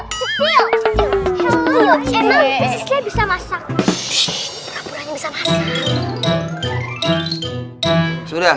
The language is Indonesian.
shh perapurannya bisa masak